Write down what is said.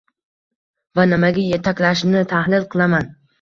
va nimaga yetaklashini tahlil qilaman.